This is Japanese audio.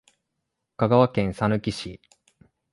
香川県さぬき市